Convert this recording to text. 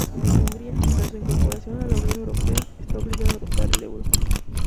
Hungría, tras su incorporación a la Unión Europea, está obligada a adoptar el euro.